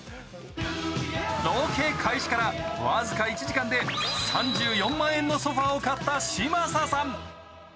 ロケ開始から僅か１時間で３４万のソファーを買った嶋佐さん。